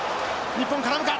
日本絡むか？